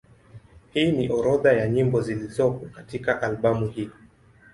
Hii ni orodha ya nyimbo zilizopo katika albamu hii.